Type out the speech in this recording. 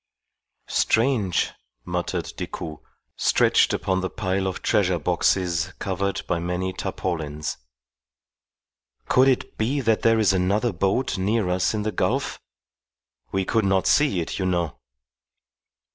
"Strange!" muttered Decoud, stretched upon the pile of treasure boxes covered by many tarpaulins. "Could it be that there is another boat near us in the gulf? We could not see it, you know."